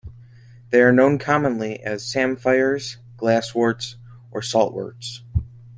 They are known commonly as samphires, glassworts, or saltworts.